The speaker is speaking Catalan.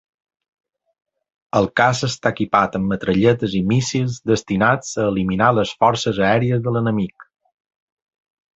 El caça està equipat amb metralletes i míssils destinats a eliminar les forces aèries de l'enemic.